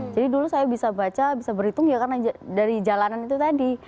jadi dulu saya bisa baca bisa berhitung ya karena dari jalanan itu tadi